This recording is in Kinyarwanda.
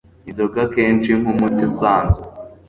inzoga kenshi nkumuti usanzwe